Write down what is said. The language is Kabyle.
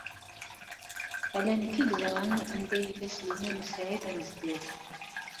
Ala nekk i yeẓran anida yella Sliman u Saɛid Amezdat.